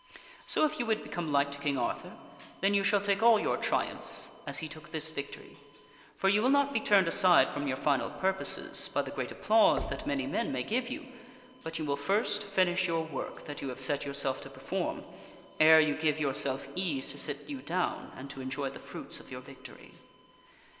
So if you would become like to King Arthur, then you shall take all your triumphs as he took this 9 8 THE WINNING OF A QUEEN victory, for you will not be turned aside from your final purposes by the great applause that many men may give you, but you will first finish your work that you have set yourself to perform, ere you give yourself ease to sit you down and to enjoy the fruits of your victory.